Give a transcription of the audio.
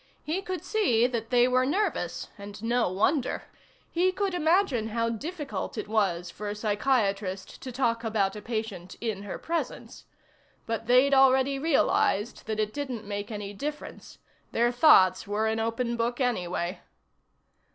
He could see that they were nervous, and no wonder; he could imagine how difficult it was for a psychiatrist to talk about a patient in her presence. But they'd already realized that it didn't make any difference; their thoughts were an open book, anyway.